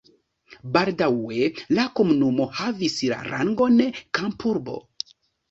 Baldaŭe la komunumo havis la rangon kampurbo.